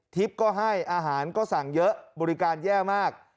ก็ให้อาหารก็สั่งเยอะบริการแย่มาก